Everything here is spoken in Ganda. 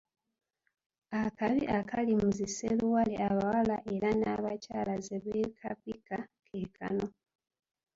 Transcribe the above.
Akabi akali mu zi sseluwale abawala era n’abakyala zebeekapika keekano